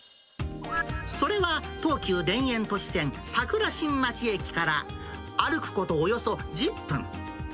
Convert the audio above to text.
それは東急田園都市線桜新町駅から歩くことおよそ１０分。